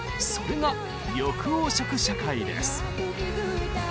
それが緑黄色社会です。